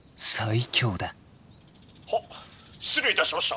「はっ失礼いたしました」。